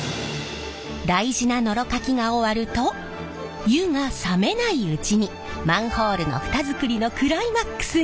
大事なノロかきが終わると「湯」が冷めないうちにマンホールの蓋作りのクライマックスに！